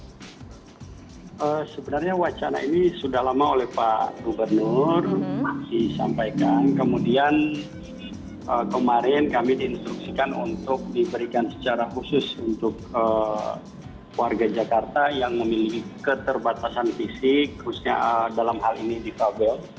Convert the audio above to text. sebenarnya wacana ini sudah lama oleh pak gubernur masih disampaikan kemudian kemarin kami diinstruksikan untuk diberikan secara khusus untuk warga jakarta yang memiliki keterbatasan fisik khususnya dalam hal ini difabel